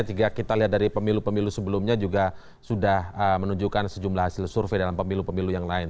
jika kita lihat dari pemilu pemilu sebelumnya juga sudah menunjukkan sejumlah hasil survei dalam pemilu pemilu yang lain